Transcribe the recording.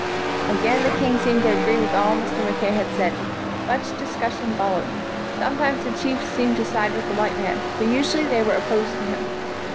Again the king seemed to agree with all Mr. Mackay had said. Much discussion fol lowed. Sometimes the chiefs seemed to side with the white man, but usually they were opposed to him.